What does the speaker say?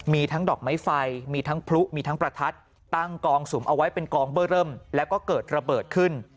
มีทั้งดอกไม้ไฟมีทั้งพลุมีทั้งประทัดตั้งกองสุมเอาไว้เป็นกองเบอร์เริ่มแล้วก็เกิดระเบิดขึ้น